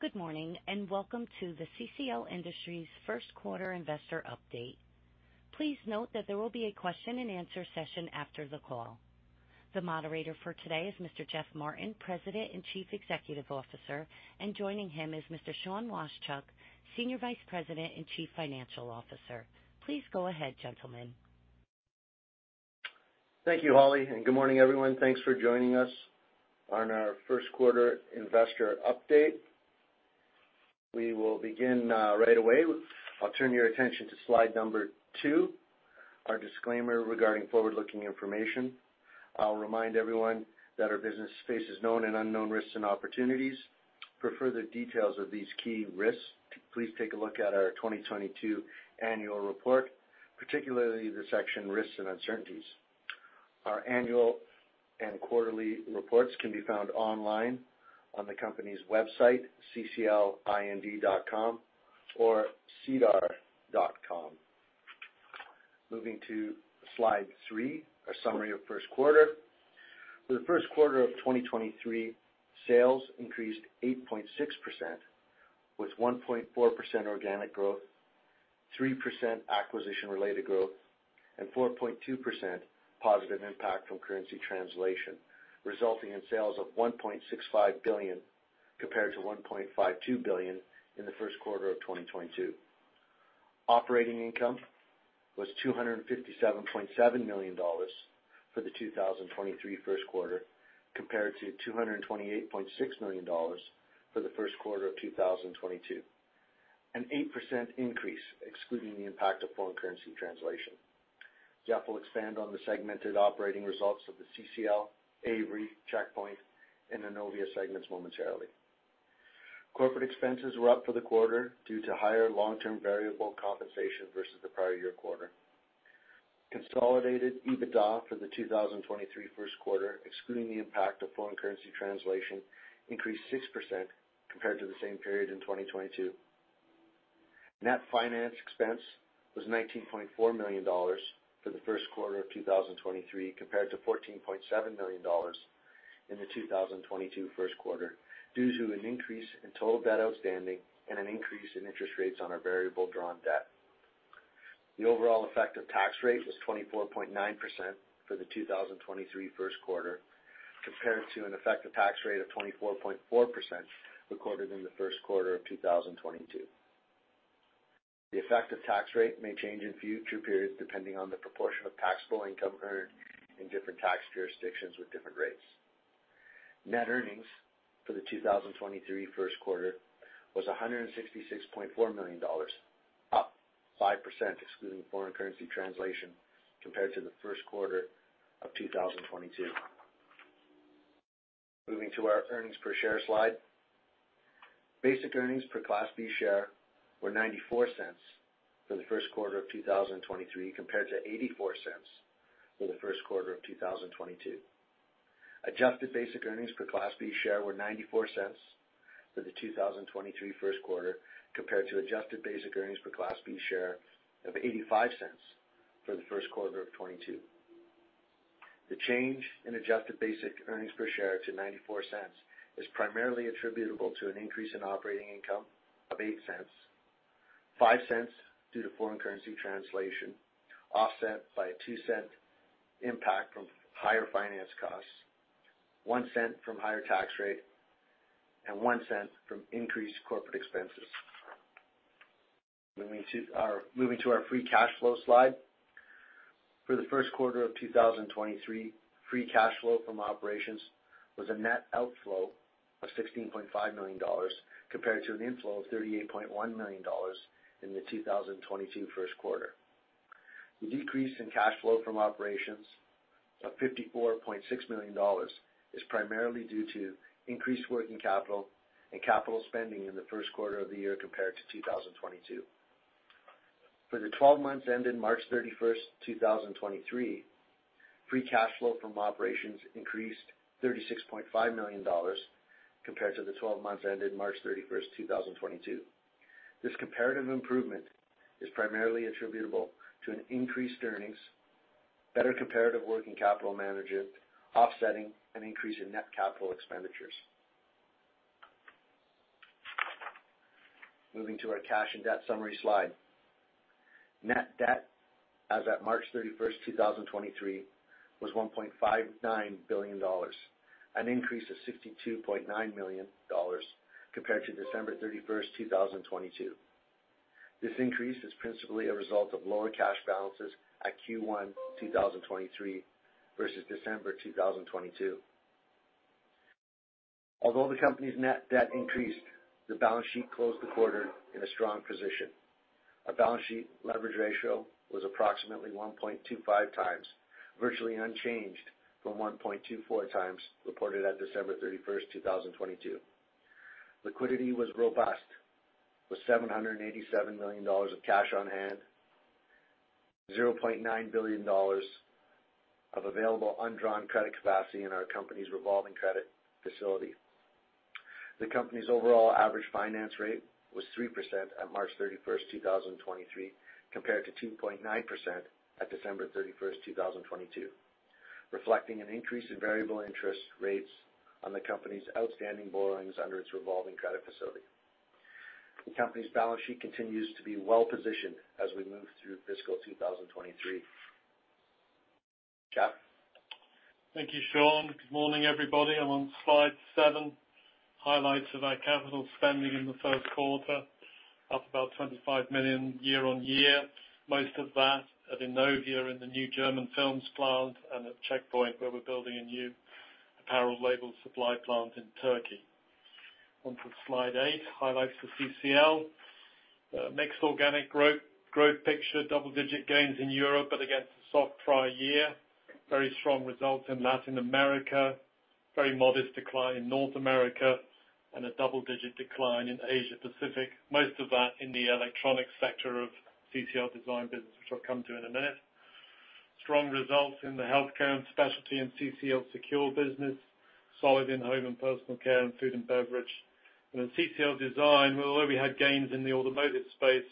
Good morning. Welcome to the CCL Industries first quarter investor update. Please note that there will be a question-and-answer session after the call. The moderator for today is Mr. Geoff Martin, President and Chief Executive Officer, and joining him is Mr. Sean Washchuk, Senior Vice President and Chief Financial Officer. Please go ahead, gentlemen. Thank you, Holly. Good morning, everyone. Thanks for joining us on our first quarter investor update. We will begin right away. I'll turn your attention to slide number two, our disclaimer regarding forward-looking information. I'll remind everyone that our business faces known and unknown risks and opportunities. For further details of these key risks, please take a look at our 2022 annual report, particularly the section Risks and Uncertainties. Our annual and quarterly reports can be found online on the company's website, cclind.com or sedarplus.ca. Moving to slide three, our summary of first quarter. For the first quarter of 2023, sales increased 8.6%, with 1.4% organic growth, 3% acquisition-related growth, and 4.2% positive impact from currency translation, resulting in sales of $1.65 billion, compared to $1.52 billion in the first quarter of 2022. Operating income was $257.7 million for the 2023 first quarter, compared to $228.6 million for the first quarter of 2022, an 8% increase, excluding the impact of foreign currency translation. Jeff will expand on the segmented operating results of the CCL, Avery, Checkpoint, and Innovia segments momentarily. Corporate expenses were up for the quarter due to higher long-term variable compensation versus the prior year quarter. Consolidated EBITDA for the 2023 first quarter, excluding the impact of foreign currency translation, increased 6% compared to the same period in 2022. Net finance expense was $19.4 million for the first quarter of 2023, compared to $14.7 million in the 2022 first quarter, due to an increase in total debt outstanding and an increase in interest rates on our variable drawn debt. The overall effective tax rate was 24.9% for the 2023 first quarter, compared to an effective tax rate of 24.4% recorded in the first quarter of 2022. The effective tax rate may change in future periods depending on the proportion of taxable income earned in different tax jurisdictions with different rates. Net earnings for the 2023 first quarter was 166.4 million dollars, up 5% excluding foreign currency translation compared to the first quarter of 2022. Moving to our earnings per share slide. Basic earnings per Class B share were 0.94 for the first quarter of 2023, compared to 0.84 for the first quarter of 2022. Adjusted basic earnings per Class B share were 0.94 for the 2023 first quarter compared to adjusted basic earnings per Class B share of 0.85 for the first quarter of 2022. The change in adjusted basic earnings per share to 0.94 is primarily attributable to an increase in operating income of 0.08, 0.05 due to foreign currency translation, offset by a 0.02 impact from higher finance costs, 0.01 from higher tax rate, and 0.01 from increased corporate expenses. Moving to our free cash flow slide. For the first quarter of 2023, free cash flow from operations was a net outflow of 16.5 million dollars compared to an inflow of 38.1 million dollars in the 2022 first quarter. The decrease in cash flow from operations of 54.6 million dollars is primarily due to increased working capital and capital spending in the first quarter of the year compared to 2022. For the 12 months ended March 31, 2023, free cash flow from operations increased 36.5 million dollars compared to the 12 months ended March 31, 2022. This comparative improvement is primarily attributable to an increased earnings, better comparative working capital management, offsetting an increase in net capital expenditures. Moving to our cash and debt summary slide. Net debt as at March 31, 2023 was 1.59 billion dollars, an increase of 62.9 million dollars compared to December 31, 2022. This increase is principally a result of lower cash balances at Q1 2023 versus December 2022. Although the company's net debt increased, the balance sheet closed the quarter in a strong position. Our balance sheet leverage ratio was approximately 1.25 times, virtually unchanged from 1.24 times reported at December 31, 2022. Liquidity was robust, with $787 million of cash on hand, $0.9 billion of available undrawn credit capacity in our company's revolving credit facility. The company's overall average finance rate was 3% at March 31, 2023, compared to 2.9% at December 31, 2022, reflecting an increase in variable interest rates on the company's outstanding borrowings under its revolving credit facility. The company's balance sheet continues to be well-positioned as we move through fiscal 2023. Geoff? Thank you, Sean. Good morning, everybody. I'm on slide seven, highlights of our capital spending in the first quarter, up about 25 million year-over-year. Most of that at Innovia in the new German films plant and at Checkpoint, where we're building a new apparel label supply plant in Turkey. Slide eight, highlights for CCL. Mixed organic growth picture, double-digit gains in Europe, against a soft prior year. Very strong results in Latin America. Very modest decline in North America, a double-digit decline in Asia Pacific. Most of that in the electronic sector of CCL Design business, which I'll come to in a minute. Strong results in the healthcare and specialty and CCL Secure business. Solid in home and personal care and food and beverage. In CCL Design, although we had gains in the automotive space,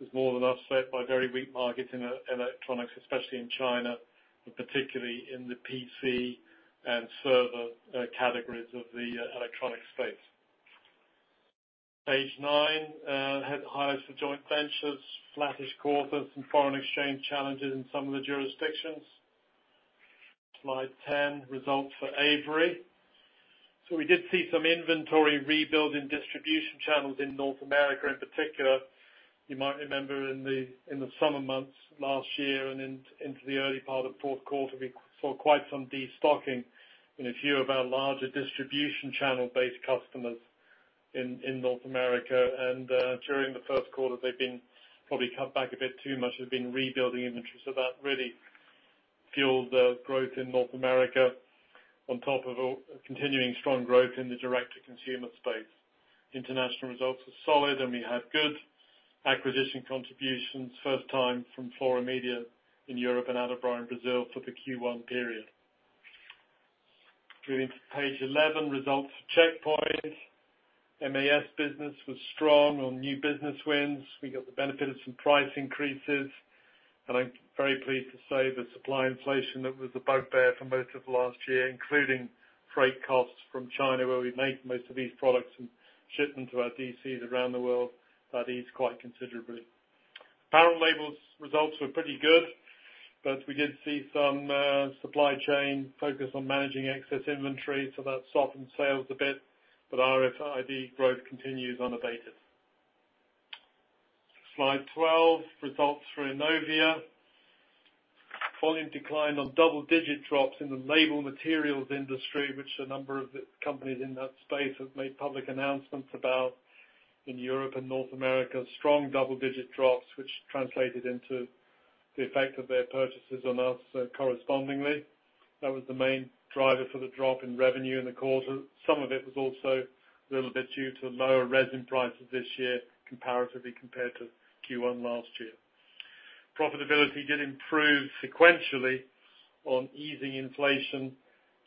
it was more than offset by very weak markets in electronics, especially in China, and particularly in the PC and server categories of the electronic space. Page nine, head highlights for joint ventures. Flattish quarter. Some foreign exchange challenges in some of the jurisdictions. Slide 10, results for Avery. We did see some inventory rebuild in distribution channels in North America in particular. You might remember in the summer months last year and into the early part of fourth quarter, we saw quite some destocking in a few of our larger distribution channel-based customers in North America. During the first quarter, they've been probably cut back a bit too much. They've been rebuilding inventory. That really fueled the growth in North America on top of a continuing strong growth in the direct-to-consumer space. International results are solid. We had good acquisition contributions, first time from Floramedia in Europe and Adelbras in Brazil for the Q1 period. Going to page 11, results for Checkpoint. MAS business was strong on new business wins. We got the benefit of some price increases. I'm very pleased to say the supply inflation that was the bugbear for most of last year, including freight costs from China, where we make most of these products and ship them to our DCs around the world, that eased quite considerably. Apparel labels results were pretty good. We did see some supply chain focus on managing excess inventory, so that softened sales a bit. RFID growth continues unabated. Slide 12, results for Innovia. Volume declined on double-digit drops in the label materials industry, which a number of the companies in that space have made public announcements about in Europe and North America. Strong double-digit drops, which translated into the effect of their purchases on us, correspondingly. That was the main driver for the drop in revenue in the quarter. Some of it was also a little bit due to lower resin prices this year comparatively compared to Q1 last year. Profitability did improve sequentially on easing inflation,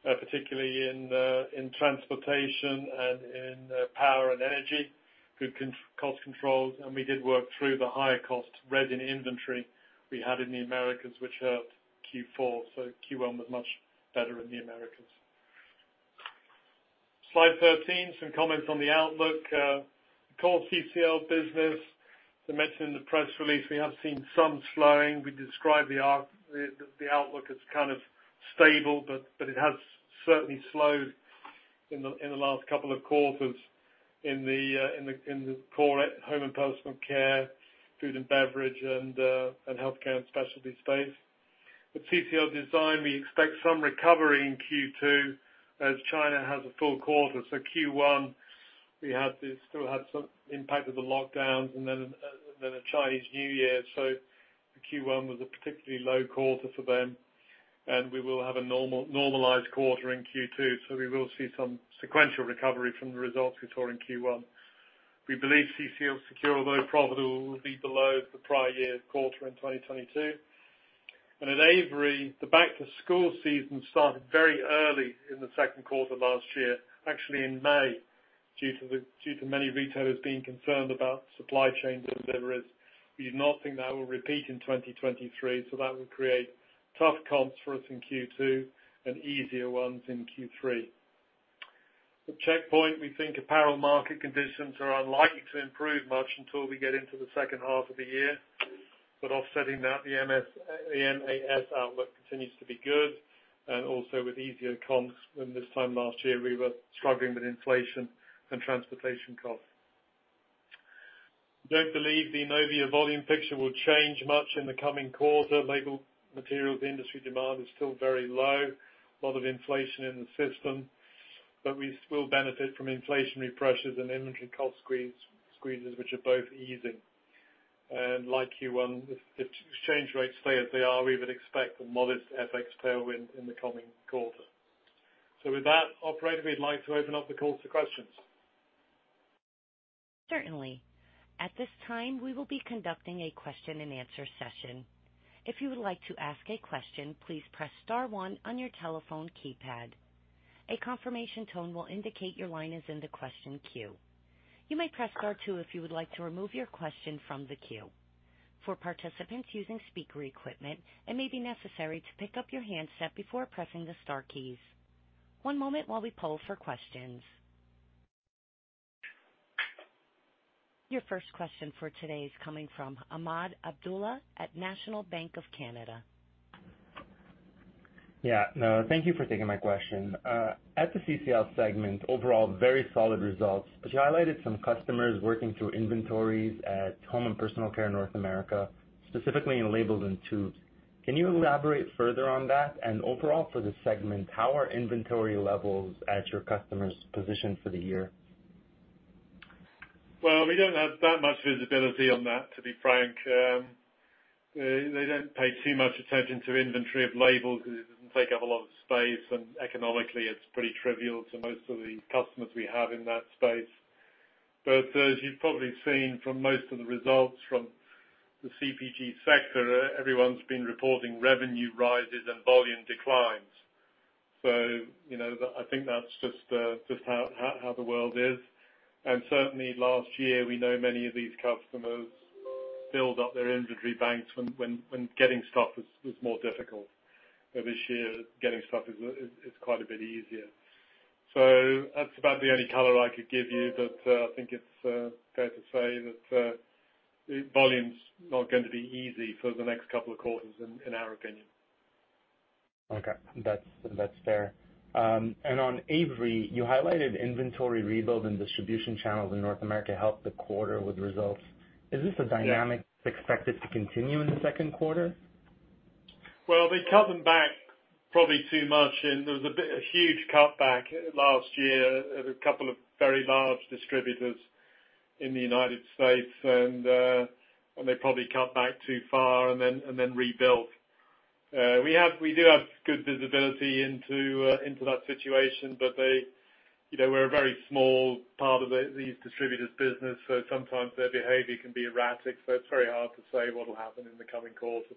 particularly in transportation and in power and energy, good cost controls, and we did work through the higher cost resin inventory we had in the Americas, which helped Q4, so Q1 was much better in the Americas. Slide 13, some comments on the outlook. Core CCL business, as I mentioned in the press release, we have seen some slowing. We describe the outlook as kind of stable, but it has certainly slowed in the last couple of quarters in the core home and personal care, food and beverage, and healthcare and specialty space. With CCL Design, we expect some recovery in Q2 as China has a full quarter. Q1, we had to still have some impact of the lockdowns and then a Chinese New Year. Q1 was a particularly low quarter for them, and we will have a normalized quarter in Q2, so we will see some sequential recovery from the results we saw in Q1. We believe CCL Secure, although profitable, will be below the prior year quarter in 2022. At Avery, the back-to-school-season started very early in the second quarter last year, actually in May, due to many retailers being concerned about supply chain deliveries. We do not think that will repeat in 2023, that will create tough comps for us in Q2 and easier ones in Q3. At Checkpoint, we think apparel market conditions are unlikely to improve much until we get into the second half of the year. Offsetting that, the MAS outlook continues to be good, also with easier comps when this time last year we were struggling with inflation and transportation costs. Don't believe the Innovia volume picture will change much in the coming quarter. Label materials industry demand is still very low, a lot of inflation in the system, we will benefit from inflationary pressures and inventory cost squeezes, which are both easing. Like Q1, if exchange rates stay as they are, we would expect a modest FX tailwind in the coming quarter. With that, operator, we'd like to open up the call to questions. Certainly. At this time, we will be conducting a question-and-answer session. If you would like to ask a question, please press star one on your telephone keypad. A confirmation tone will indicate your line is in the question queue. You may press star two if you would like to remove your question from the queue. For participants using speaker equipment, it may be necessary to pick up your handset before pressing the star keys. One moment while we poll for questions. Your first question for today is coming from Ahmed Abdullah at National Bank of Canada. Yeah. No, thank you for taking my question. At the CCL segment, overall very solid results. You highlighted some customers working through inventories at Home and Personal Care North America, specifically in labels and tubes. Can you elaborate further on that? Overall for this segment, how are inventory levels at your customer's position for the year? We don't have that much visibility on that, to be frank. They don't pay too much attention to inventory of labels because it doesn't take up a lot of space, and economically, it's pretty trivial to most of the customers we have in that space. As you've probably seen from most of the results from the CPG sector, everyone's been reporting revenue rises and volume declines. You know, I think that's just how the world is. Certainly last year, we know many of these customers built up their inventory banks when getting stuff was more difficult. This year, getting stuff is quite a bit easier. That's about the only color I could give you. I think it's fair to say that volume's not going to be easy for the next couple of quarters in our opinion. Okay. That's fair. On Avery, you highlighted inventory rebuild and distribution channels in North America helped the quarter with results. Is this a dynamic-? Yeah. that's expected to continue in the second quarter? Well, they cut them back probably too much, and there was a huge cutback last year at a couple of very large distributors in the United States. They probably cut back too far and then, and then rebuilt. We do have good visibility into that situation, but they, you know, we're a very small part of these distributors' business, so sometimes their behavior can be erratic. It's very hard to say what'll happen in the coming quarter.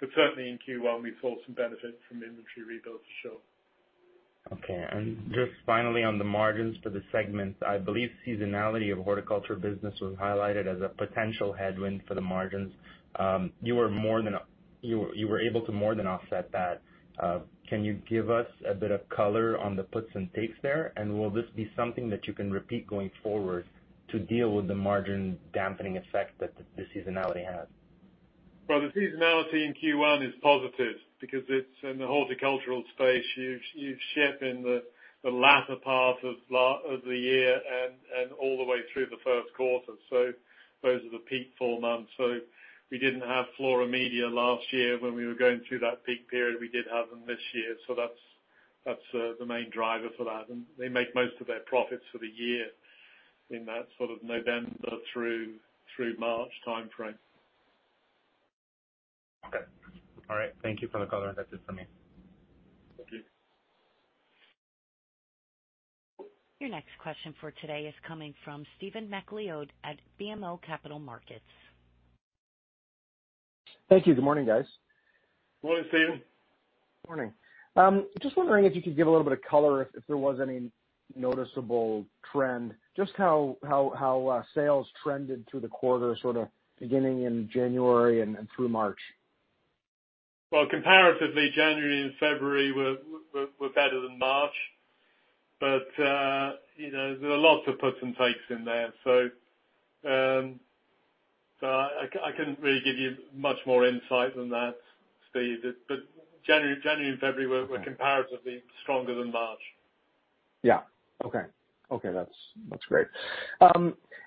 Certainly in Q1, we saw some benefit from inventory rebuild, for sure. Okay. Just finally on the margins for the segments, I believe seasonality of horticulture business was highlighted as a potential headwind for the margins. You were able to more than offset that. Can you give us a bit of color on the puts and takes there? Will this be something that you can repeat going forward to deal with the margin dampening effect that the seasonality has? Well, the seasonality in Q1 is positive because it's in the horticultural space. You ship in the latter part of the year and all the way through the first quarter. Those are the peak four months. We didn't have Floramedia last year when we were going through that peak period. We did have them this year. That's the main driver for that. They make most of their profits for the year in that sort of November through March timeframe. Okay. All right. Thank you for the color. That's it for me. Thank you. Your next question for today is coming from Stephen MacLeod at BMO Capital Markets. Thank you. Good morning, guys. Morning, Stephen. Morning. Just wondering if you could give a little bit of color if there was any noticeable trend, just how sales trended through the quarter, sort of beginning in January and through March? Comparatively, January and February were better than March, but, you know, there are lots of puts and takes in there. I couldn't really give you much more insight than that, Steve. January and February were- Okay. comparatively stronger than March. Yeah. Okay. Okay, that's great.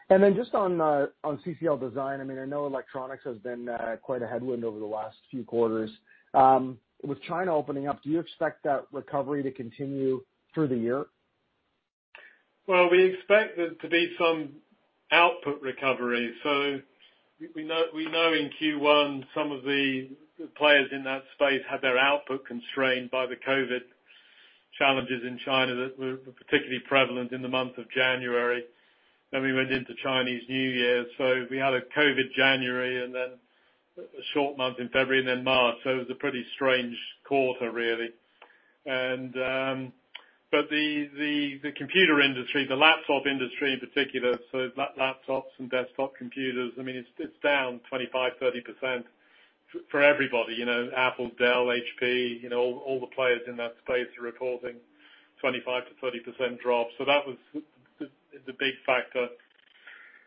Just on CCL Design, I mean, I know electronics has been quite a headwind over the last few quarters. With China opening up, do you expect that recovery to continue through the year? We expect there to be some output recovery. We know in Q1 some of the players in that space had their output constrained by the COVID challenges in China that were particularly prevalent in the month of January. We went into Chinese New Year, so we had a COVID January and then a short month in February and then March. It was a pretty strange quarter, really. The computer industry, the laptop industry in particular, so laptops and desktop computers, I mean, it's down 25%, 30% for everybody. You know, Apple, Dell, HP, you know, all the players in that space are reporting 25%-30% drop. That was the big factor.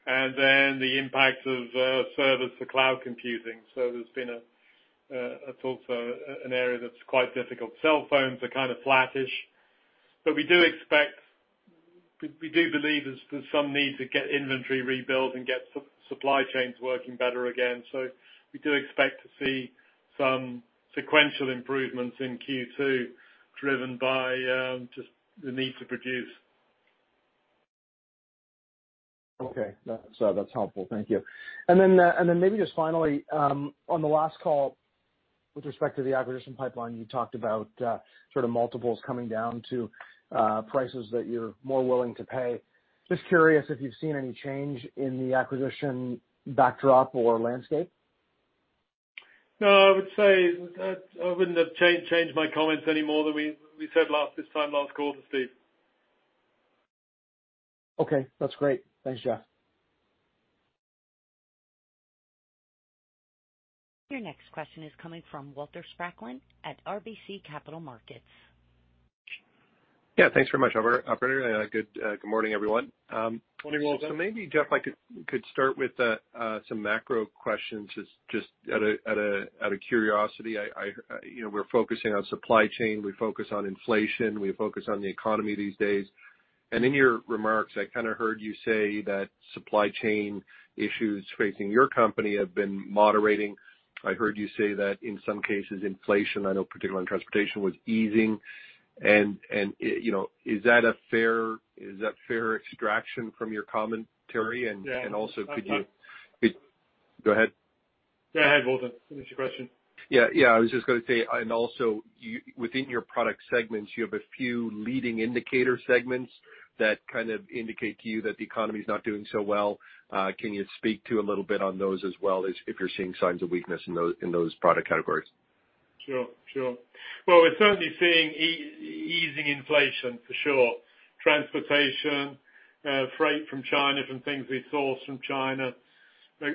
The impact of servers for cloud computing. There's been a that's also an area that's quite difficult. Cell phones are kind of flattish, but we do believe there's some need to get inventory rebuilt and get supply chains working better again. We do expect to see some sequential improvements in Q2 driven by just the need to produce. Okay. That's helpful. Thank you. Maybe just finally, on the last call with respect to the acquisition pipeline, you talked about sort of multiples coming down to prices that you're more willing to pay. Just curious if you've seen any change in the acquisition backdrop or landscape. No, I would say, I wouldn't have changed my comments any more than we said this time last quarter, Steve. Okay, that's great. Thanks, Geoff. Your next question is coming from Walter Spracklin at RBC Capital Markets. Yeah, thanks very much, operator. Good, good morning, everyone. Morning, Walter. Maybe, Geoff, I could start with some macro questions just out of curiosity. I, you know, we're focusing on supply chain, we focus on inflation, we focus on the economy these days. In your remarks, I kind of heard you say that supply chain issues facing your company have been moderating. I heard you say that in some cases, inflation, I know particularly in transportation, was easing. You know, is that fair extraction from your commentary? Yeah. Also Go ahead. Go ahead, Walter. Finish your question. Yeah, yeah. I was just gonna say, also within your product segments, you have a few leading indicator segments that kind of indicate to you that the economy is not doing so well. Can you speak to a little bit on those as well as if you're seeing signs of weakness in those product categories? Sure. Well, we're certainly seeing easing inflation for sure. Transportation, freight from China, from things we source from China.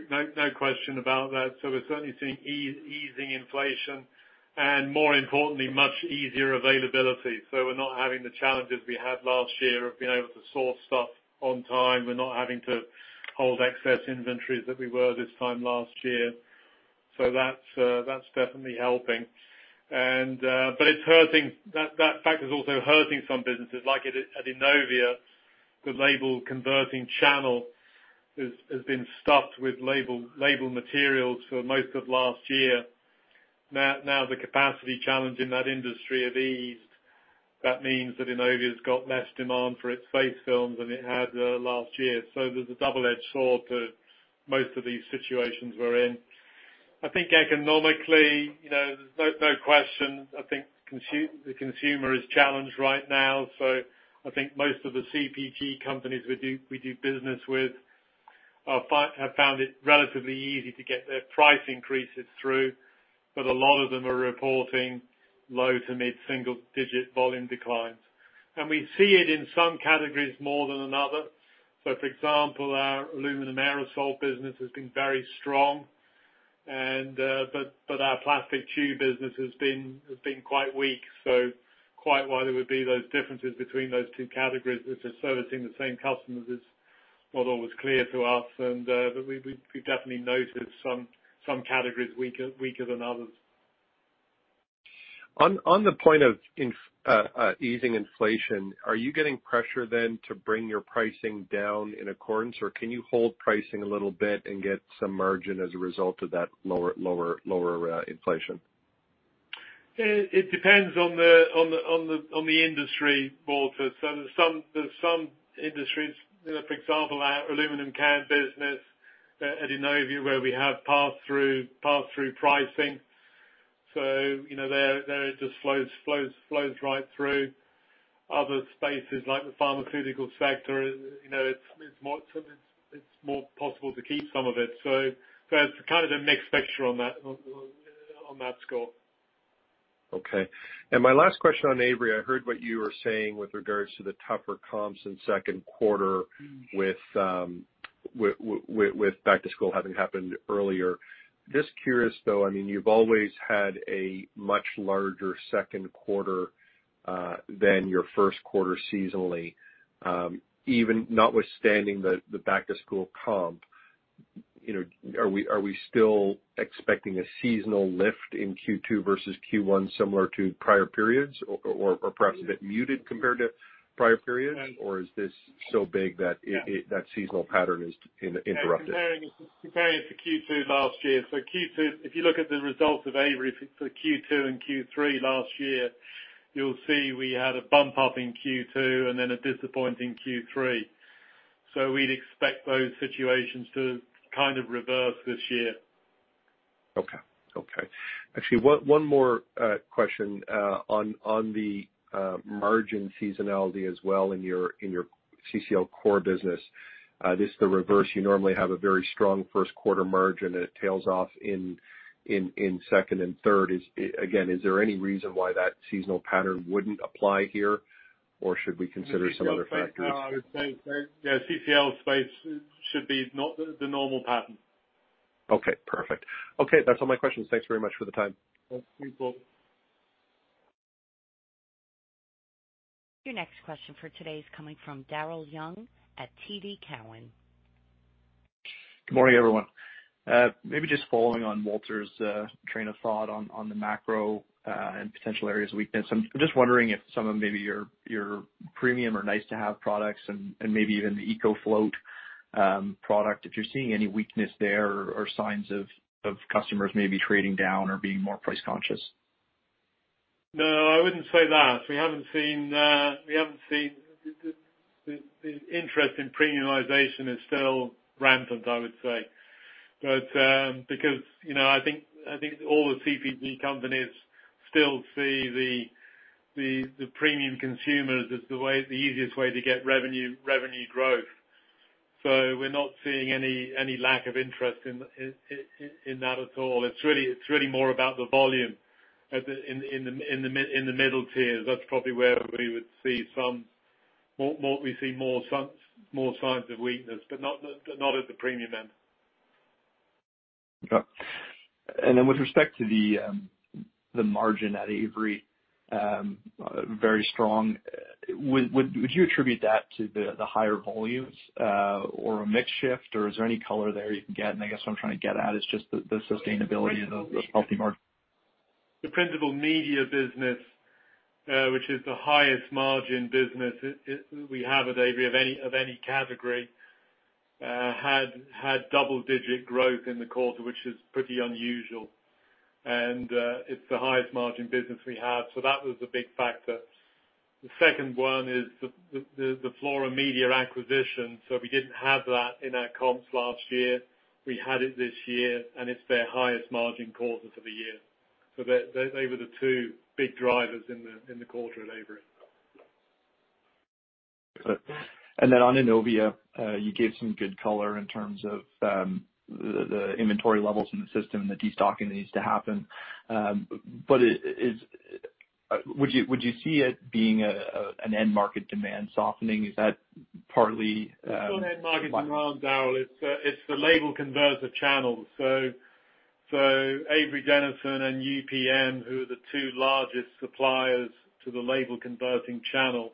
No question about that. We're certainly seeing easing inflation and more importantly, much easier availability. We're not having the challenges we had last year of being able to source stuff on time. We're not having to hold excess inventories that we were this time last year. That's definitely helping. It's hurting. That fact is also hurting some businesses like at Innovia, the label converting channel has been stuffed with label materials for most of last year. Now the capacity challenge in that industry have eased. That means that Innovia's got less demand for its face films than it had last year. There's a double-edged sword to most of these situations we're in. I think economically, you know, there's no question. I think the consumer is challenged right now, so I think most of the CPG companies we do business with have found it relatively easy to get their price increases through. A lot of them are reporting low to mid-single digit volume declines. We see it in some categories more than another. For example, our aluminum aerosol business has been very strong and, but our plastic tube business has been quite weak. Quite why there would be those differences between those two categories, which are servicing the same customers is not always clear to us. But we've definitely noticed some categories weaker than others. On the point of easing inflation, are you getting pressure then to bring your pricing down in accordance? Can you hold pricing a little bit and get some margin as a result of that lower inflation? It depends on the industry, Walter. There's some industries, you know, for example, our aluminum can business at Innovia where we have pass-through pricing. You know, there, it just flows right through. Other spaces like the pharmaceutical sector, you know, it's more possible to keep some of it. There's kind of a mixed picture on that score. Okay. My last question on Avery. I heard what you were saying with regards to the tougher comps in second quarter with back to school having happened earlier. Just curious though, I mean, you've always had a much larger second quarter than your first quarter seasonally. Even notwithstanding the back-to-school comp, you know, are we still expecting a seasonal lift in Q2 versus Q1 similar to prior periods or perhaps a bit muted compared to prior periods? Yeah. is this so big? Yeah. That seasonal pattern is interrupted? Yeah. Comparing it to Q2 last year. Q2, if you look at the results of Avery for Q2 and Q3 last year, you'll see we had a bump up in Q2 and then a disappointing Q3. We'd expect those situations to kind of reverse this year. Okay. Actually, one more question on the margin seasonality as well in your CCL core business. This is the reverse. You normally have a very strong first quarter margin and it tails off in second and third. Again, is there any reason why that seasonal pattern wouldn't apply here? Should we consider some other factors? No, I would say CCL space should be the normal pattern. Okay, perfect. Okay, that's all my questions. Thanks very much for the time. Thank you, Walter. Your next question for today is coming from Daryl Young at TD Cowen. Good morning, everyone. Maybe just following on Walter's train of thought on the macro and potential areas of weakness. I'm just wondering if some of maybe your premium or nice-to-have products and maybe even the EcoFloat product, if you're seeing any weakness there or signs of customers maybe trading down or being more price conscious? No, I wouldn't say that. We haven't seen... The interest in premiumization is still rampant, I would say. Because, you know, I think all the CPG companies still see the premium consumers as the way, the easiest way to get revenue growth. We're not seeing any lack of interest in that at all. It's really more about the volume in the middle tiers. That's probably where we would see some more signs of weakness, but not at the premium end. Okay. With respect to the margin at Avery, very strong, would you attribute that to the higher volumes or a mix shift? Is there any color there you can get? I guess what I'm trying to get at is just the sustainability of this healthy margin. The printable media business, which is the highest margin business we have at Avery of any, of any category, had double-digit growth in the quarter, which is pretty unusual. It's the highest margin business we have. That was a big factor. The second one is the Floramedia acquisition. We didn't have that in our comps last year. We had it this year, and it's their highest margin quarter to date for the year. They were the two big drivers in the quarter at Avery. On Innovia, you gave some good color in terms of the inventory levels in the system and the destocking that needs to happen. Would you see it being an end market demand softening? Is that partly? It's not an end market demand, Daryl. It's the label converter channel. Avery Dennison and UPM, who are the two largest suppliers to the label converting channel,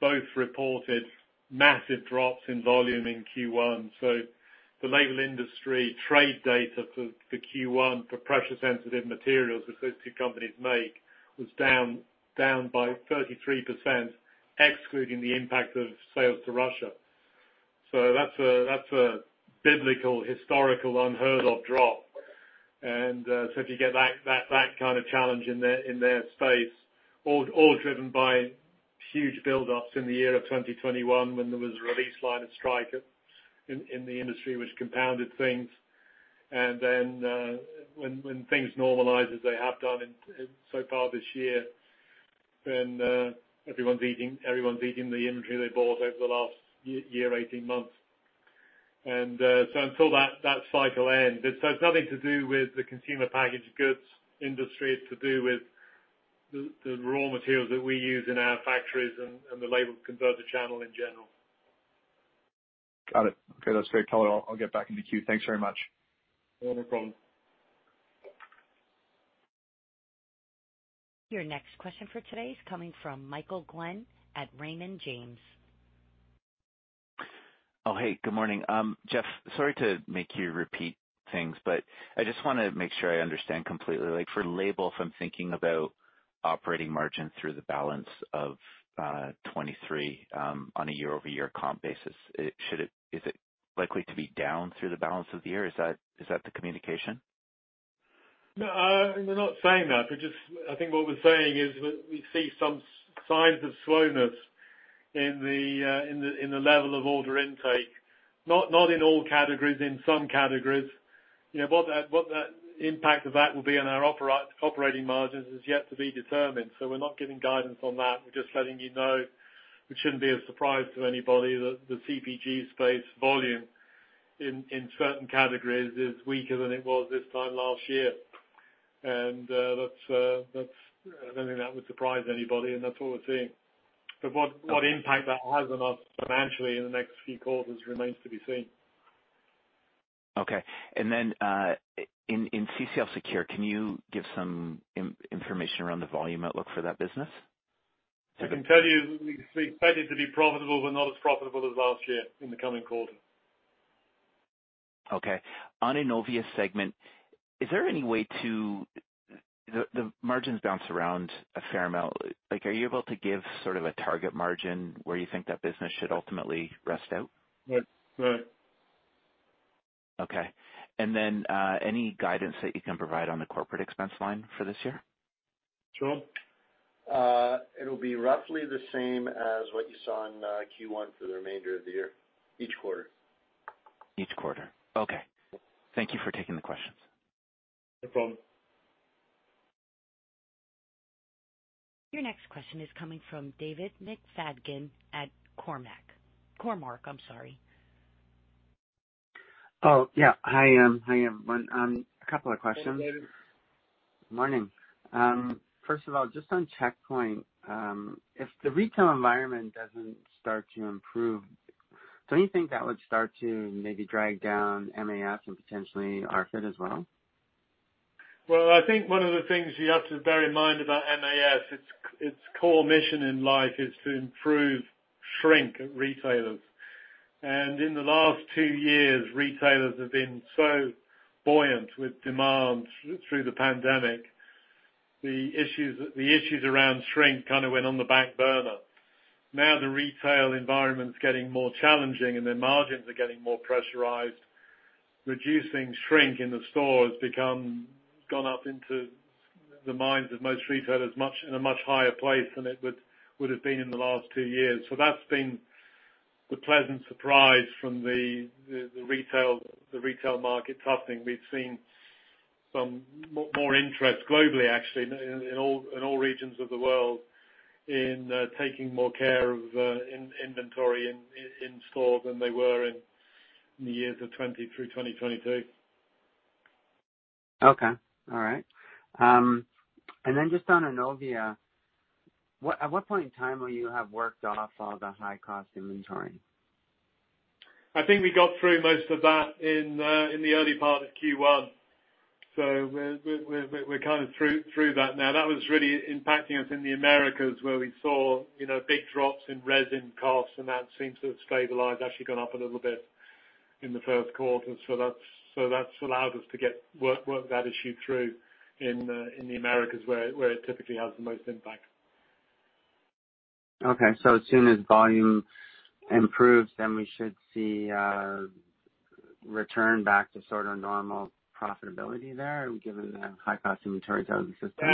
both reported massive drops in volume in Q1. The label industry trade data for Q1 for pressure-sensitive materials that those two companies make was down by 33%, excluding the impact of sales to Russia. That's a biblical, historical unheard of drop. If you get that kind of challenge in their space, all driven by huge buildups in the year of 2021 when there was a release liner strike in the industry, which compounded things. When things normalize as they have done in so far this year, then everyone's eating the inventory they bought over the last year, 18 months. Until that cycle ends, it has nothing to do with the consumer packaged goods industry. It's to do with the raw materials that we use in our factories and the label converter channel in general. Got it. Okay. That's great [color]. I'll get back in the queue. Thanks very much. No, no problem. Your next question for today is coming from Michael Glen at Raymond James. Oh, hey, good morning. Jeff, sorry to make you repeat things, but I just wanna make sure I understand completely. Like for label, if I'm thinking about operating margin through the balance of 2023, on a year-over-year comp basis, is it likely to be down through the balance of the year? Is that the communication? No, we're not saying that. We're just I think what we're saying is we see some signs of slowness in the, in the, in the level of order intake, not in all categories, in some categories. You know, what that, what that impact of that will be on our operating margins is yet to be determined. We're not giving guidance on that. We're just letting you know it shouldn't be a surprise to anybody that the CPG space volume in certain categories is weaker than it was this time last year. That's, that's, I don't think that would surprise anybody, and that's all we're seeing. What, what impact that has on us financially in the next few quarters remains to be seen. Okay. Then, in CCL Secure, can you give some information around the volume outlook for that business? I can tell you we expect it to be profitable, but not as profitable as last year in the coming quarter. Okay. On Innovia segment, the margins bounce around a fair amount. Like, are you able to give sort of a target margin where you think that business should ultimately rest out? Not, no. Okay. Any guidance that you can provide on the corporate expense line for this year? Sure. It'll be roughly the same as what you saw in Q1 for the remainder of the year, each quarter. Each quarter. Okay. Thank you for taking the questions. No problem. Your next question is coming from David McFadgen at Cormark, Cormark, I'm sorry. Oh, yeah. Hi, everyone. A couple of questions. Hello, David. Morning. First of all, just on Checkpoint, if the retail environment doesn't start to improve, don't you think that would start to maybe drag down MAS and potentially RFID as well? Well, I think one of the things you have to bear in mind about MAS, its core mission in life is to improve shrink at retailers. In the last two years, retailers have been so buoyant with demand through the pandemic, the issues around shrink kind of went on the back burner. Now the retail environment's getting more challenging and their margins are getting more pressurized. Reducing shrink in the stores gone up into the minds of most retailers in a much higher place than it would have been in the last two years. That's been the pleasant surprise from the retail market toughening. We've seen some more interest globally, actually, in all regions of the world, in taking more care of inventory in store than they were in the years of 2020-2022. Okay. All right. Just on Innovia, at what point in time will you have worked off all the high-cost inventory? I think we got through most of that in the early part of Q1. We're kind of through that now. That was really impacting us in the Americas where we saw, you know, big drops in resin costs and that seems to have stabilized, actually gone up a little bit in the first quarter. That's allowed us to get work that issue through in the Americas where it typically has the most impact. Okay. As soon as volume improves, then we should see return back to sort of normal profitability there given the high-cost inventory. The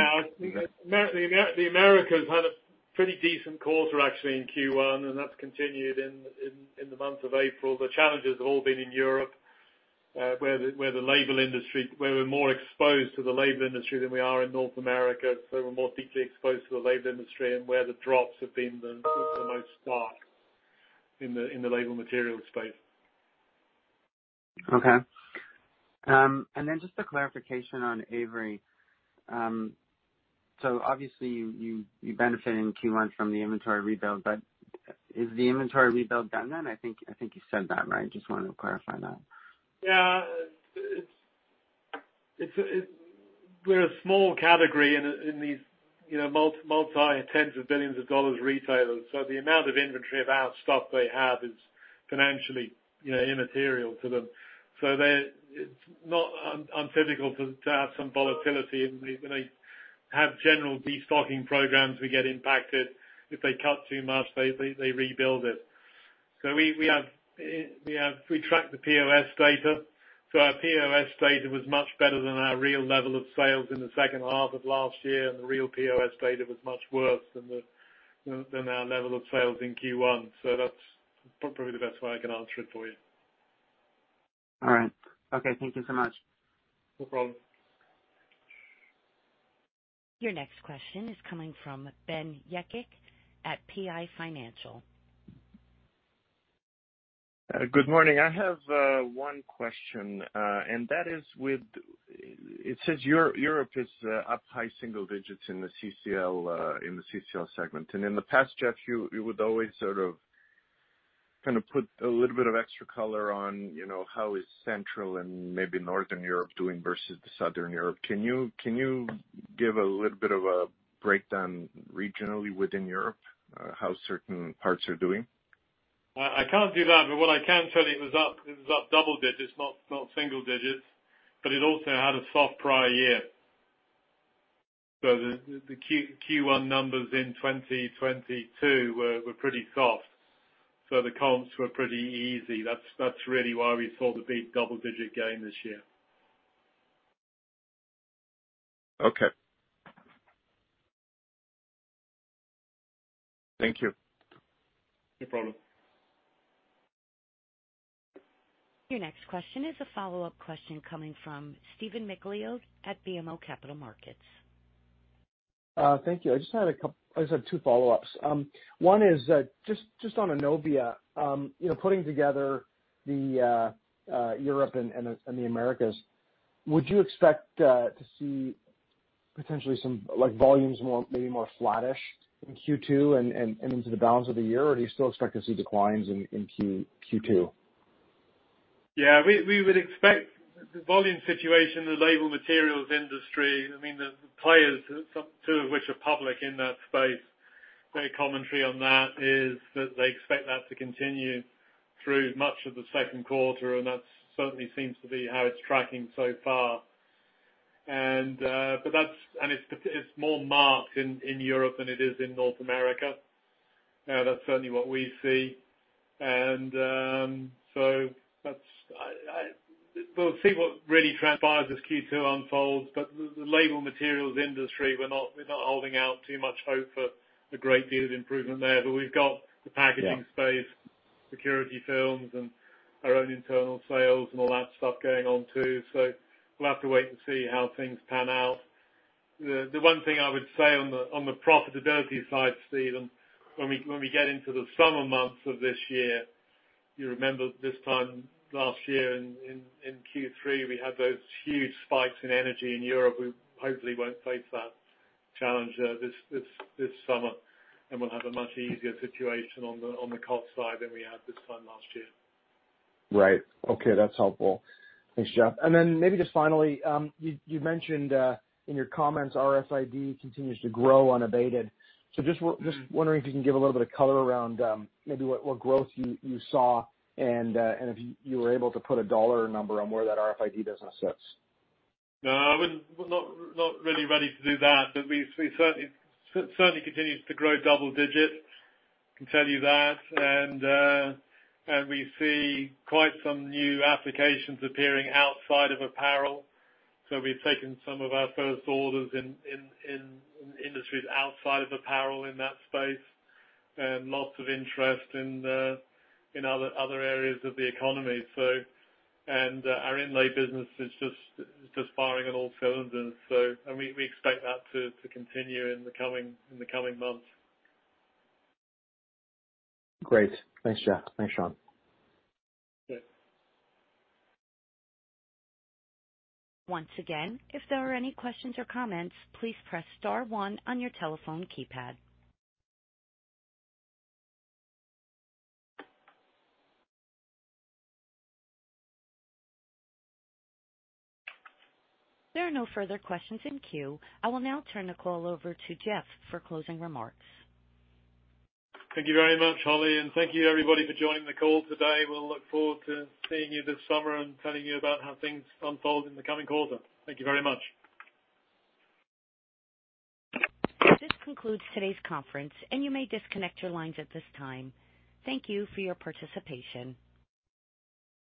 Americas had a pretty decent quarter actually in Q1. That's continued in the month of April. The challenges have all been in Europe, where the label industry where we're more exposed to the label industry than we are in North America, so we're more deeply exposed to the label industry and where the drops have been the most stark in the label materials space. Okay. Just a clarification on Avery. Obviously, you benefited in Q1 from the inventory rebuild, but is the inventory rebuild done then? I think you said that, right? Just wanted to clarify that. Yeah. It's we're a small category in these, you know, multi tens of billions of dollars retailers. The amount of inventory of our stock they have is financially, you know, immaterial to them. They It's not untypical for to have some volatility. When they have general destocking programs, we get impacted. If they cut too much, they rebuild it. We have we track the POS data. Our POS data was much better than our real level of sales in the second half of last year, and the real POS data was much worse than the, than our level of sales in Q1. That's probably the best way I can answer it for you. All right. Okay, thank you so much. No problem. Your next question is coming from Ben Eke at PI Financial. Good morning. I have one question, and that is with... It says Europe is up high single digits in the CCL segment. In the past, Jeff, you would always sort of, kind of put a little bit of extra color on, you know, how is Central and maybe Northern Europe doing versus the Southern Europe. Can you give a little bit of a breakdown regionally within Europe, how certain parts are doing? I can't do that, but what I can tell you, it was up double digits, not single digits. It also had a soft prior year. The Q1 numbers in 2022 were pretty soft. The comps were pretty easy. That's really why we saw the big double-digit gain this year. Okay. Thank you. No problem. Your next question is a follow-up question coming from Stephen Macleod at BMO Capital Markets. Thank you. I just have two follow-ups. One is, just on Innovia. You know, putting together the Europe and the Americas, would you expect to see potentially some like volumes maybe more flattish in Q2 and into the balance of the year? Do you still expect to see declines in Q2? Yeah. We would expect the volume situation, the label materials industry, I mean, the players, two of which are public in that space, their commentary on that is that they expect that to continue through much of the second quarter, and that certainly seems to be how it's tracking so far. It's more marked in Europe than it is in North America. That's certainly what we see. We'll see what really transpires as Q2 unfolds. The label materials industry, we're not holding out too much hope for a great deal of improvement there. We've got the packaging- Yeah. Space, security films and our own internal sales and all that stuff going on too. We'll have to wait and see how things pan out. The one thing I would say on the profitability side, Steven, when we get into the summer months of this year, you remember this time last year in Q3, we had those huge spikes in energy in Europe. We hopefully won't face that challenge this summer, and we'll have a much easier situation on the cost side than we had this time last year. Right. Okay, that's helpful. Thanks, Geoff. Maybe just finally, you mentioned in your comments, RFID continues to grow unabated. Just wondering if you can give a little bit of color around maybe what growth you saw and if you were able to put a dollar number on where that RFID business sits? No, I wouldn't. Not really ready to do that. We certainly continues to grow double digits, can tell you that. We see quite some new applications appearing outside of apparel. We've taken some of our first orders in industries outside of apparel in that space, and lots of interest in other areas of the economy. Our inlay business is just firing on all cylinders. We expect that to continue in the coming months. Great. Thanks, Geoff. Thanks, Sean. Sure. Once again, if there are any questions or comments, please press star one on your telephone keypad. There are no further questions in queue. I will now turn the call over to Geoff for closing remarks. Thank you very much, Holly. Thank you everybody for joining the call today. We'll look forward to seeing you this summer and telling you about how things unfold in the coming quarter. Thank you very much. This concludes today's conference, and you may disconnect your lines at this time. Thank you for your participation.